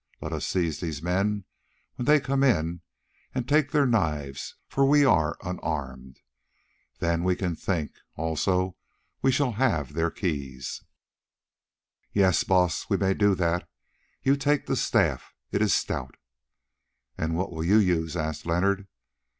Let us seize these men when they come in and take their knives, for we are unarmed. Then we can think; also we shall have their keys." "Yes, Baas, we may do that. You take the staff; it is stout." "And what will you use?" asked Leonard.